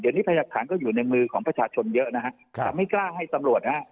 เดี๋ยวนี้พยากฐานก็อยู่ในมือของประชาชนเยอะนะฮะแต่ไม่กล้าให้ตำรวจนะฮะ